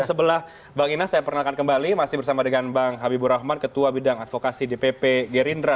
dan sebelah bang inas saya perkenalkan kembali masih bersama dengan bang habibur rahman ketua bidang advokasi dpp gerindra